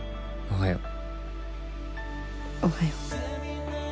おはよう。